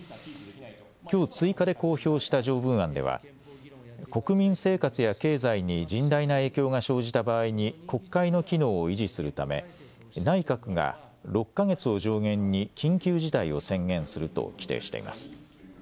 きょう追加で公表した条文案では国民生活や経済に甚大な影響が生じた場合に国会の機能を維持するため内閣が６か月を上限に緊急事態を宣言すると規定しています。